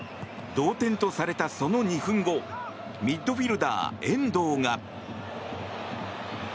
同点とされたその２分後ミッドフィールダー、遠藤が。